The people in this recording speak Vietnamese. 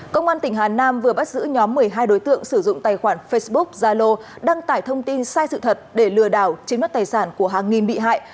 công an tỉnh hà nam vừa bắt giữ nhóm một mươi hai đối tượng sử dụng tài khoản facebook zalo đăng tải thông tin sai sự thật để lừa đảo chiếm đất tài sản của hàng nghìn bị hại